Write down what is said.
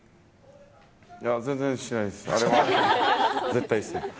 全然しないです。